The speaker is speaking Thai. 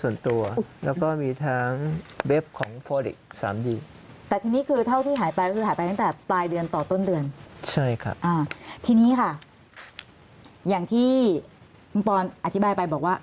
อย่างที่คุณปอลอธิบายไปบอกว่า